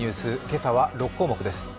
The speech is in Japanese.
今朝は６項目です。